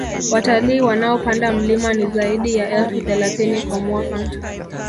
Watalii wanaopanda mlima ni zaidi ya elfu thelathini kwa mwaka